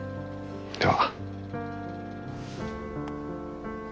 では。